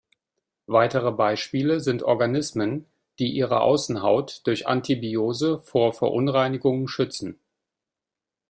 Weitere Beispiele sind Organismen, die ihre Außenhaut durch Antibiose vor Verunreinigungen schützen.